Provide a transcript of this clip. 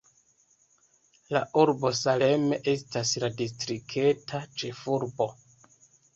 La urbo Salem estas la distrikta ĉefurbo.